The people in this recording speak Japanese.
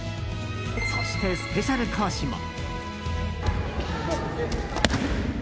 そしてスペシャル講師も。